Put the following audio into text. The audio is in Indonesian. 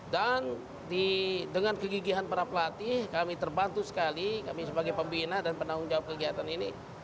dan dengan kegigihan para pelatih kami terbantu sekali kami sebagai pembina dan penanggung jawab kegiatan ini